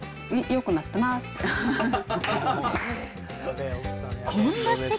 よくなったなって。